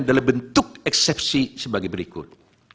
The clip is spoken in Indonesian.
adalah bentuk eksepsi sebagai berikut